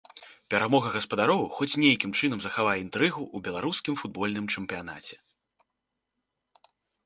Перамога гаспадароў хоць нейкім чынам захавае інтрыгу ў беларускім футбольным чэмпіянаце.